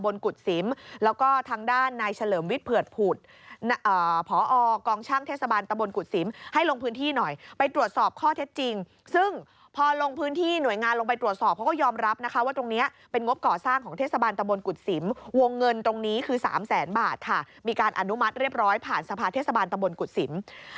นายกเทศสบานตำบลกรุษสิม